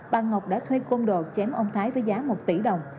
bà ngọc đã thuê côn đồ chém ông thái với giá một tỷ đồng